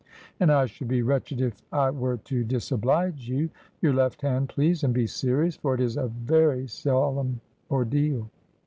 'And I should be wretched if I were to disoblige you. Your left hand, please, and be serious, for it is a very solemn ordeal.'